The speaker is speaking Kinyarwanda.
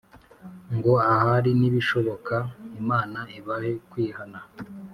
ngo ahari nibishoboka Imana ibahe kwihana